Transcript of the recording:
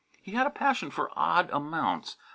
He had a passion for odd amounts.